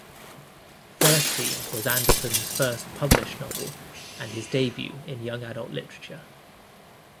"Thirsty" was Anderson's first published novel and his debut in young adult literature.